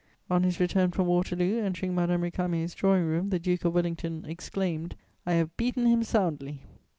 On his return from Waterloo, entering Madame Récamier's drawing room, the Duke of Wellington exclaimed: "I have beaten him soundly!"